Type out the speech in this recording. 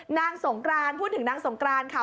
นางสงกรานพูดถึงนางสงกรานค่ะ